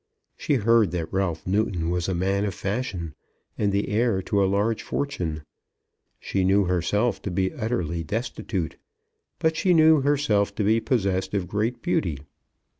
She heard that Ralph Newton was a man of fashion, and the heir to a large fortune. She knew herself to be utterly destitute, but she knew herself to be possessed of great beauty.